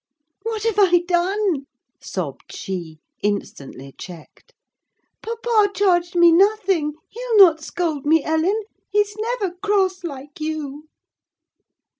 "What have I done?" sobbed she, instantly checked. "Papa charged me nothing: he'll not scold me, Ellen—he's never cross, like you!"